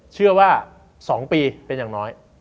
เชื่อว่า๒ปีเป็นอย่างน้อย